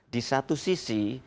di satu sisi